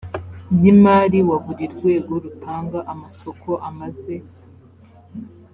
y imali wa buri rwego rutanga amasoko amaze